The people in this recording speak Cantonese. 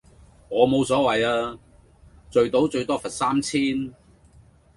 我冇所謂呀，聚賭最多罰三千